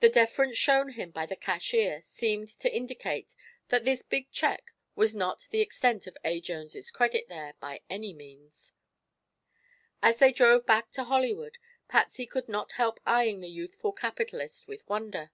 The deference shown him by the cashier seemed to indicate that this big check was not the extent of A. Jones' credit there, by any means. As they drove back to Hollywood, Patsy could not help eyeing this youthful capitalist with wonder.